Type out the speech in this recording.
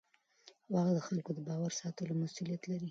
واک د خلکو د باور ساتلو مسوولیت لري.